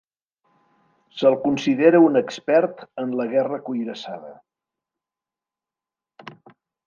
Se'l considera un expert en la guerra cuirassada.